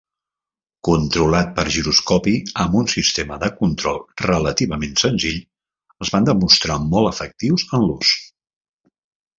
Controlat per giroscopi amb un sistema de control relativament senzill, es van demostrar molt efectius en l'ús.